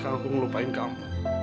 kalo aku melupain kamu